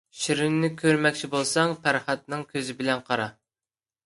شىرىننى كۆرمەكچى بولساڭ پەرھادنىڭ كۆزى بىلەن قارا.